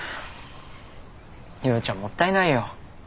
夜々ちゃんもったいないよ。